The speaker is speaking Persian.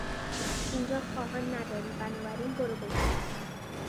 اینجا خواهان نداری بنابراین برو گمشو!